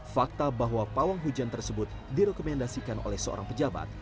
fakta bahwa pawang hujan tersebut direkomendasikan oleh seorang pejabat